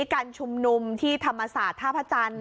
การชุมนุมที่ธรรมศาสตร์ท่าพระจันทร์